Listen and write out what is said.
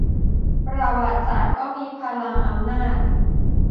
ประวัติศาสตร์ก็มีพลังอำนาจ